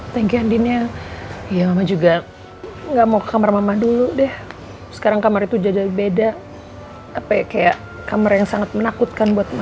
tangkiandinnya ya mama juga nggak mau ke kamar mama dulu deh sekarang kamar itu jadi beda apa ya kayak kamar yang sangat menakutkan buat mama